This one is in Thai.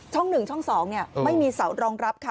ช่องหนึ่งช่องสองเนี้ยเออไม่มีเสารองรับค่ะ